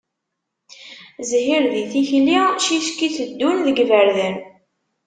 Zhir di tikli ticki teddun deg iberdan.